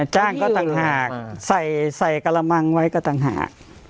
จ้างก็ต่างหาก